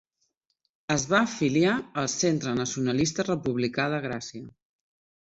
Es va afiliar al Centre Nacionalista Republicà de Gràcia.